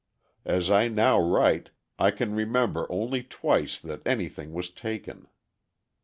As I now write I can remember only twice that anything was taken.